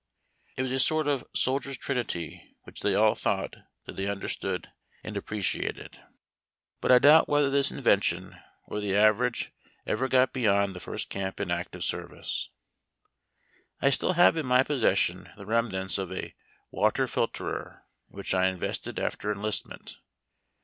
It was a sort of soldier's trinity, which they all thought that they understood and appreciated. But I doubt SOME INVENTIONS AND DEVICES OF THE WAE. 273 whether this invention, on the average, ever got beyond the first camp in active service. I still have in my possession the remnants of a water filterer in which I invested after enlistment.